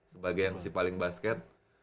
sebagian si paling basket